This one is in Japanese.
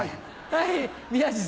はい。